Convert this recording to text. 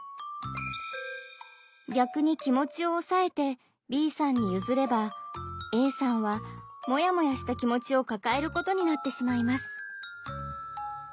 逆に気持ちをおさえてＢさんにゆずればＡさんはモヤモヤした気持ちをかかえることになってしまいます。